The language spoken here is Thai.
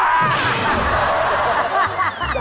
แอ๊แอ๊